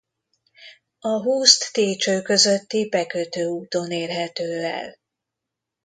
A Huszt-Técső közötti bekötőúton érhető el.